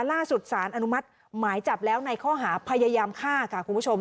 สารอนุมัติหมายจับแล้วในข้อหาพยายามฆ่าค่ะคุณผู้ชม